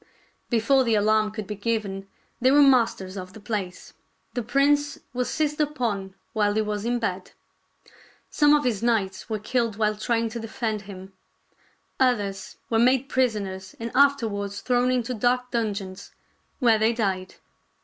Before the alarm could be given, they were masters of the place. The prince was seized upon while he was in bed. 112 THIRTY MORE FAMOUS STORIES Some of his knights were killed while trying to defend him. Others were made prisoners and after wards thrown into dark dungeons, where they died.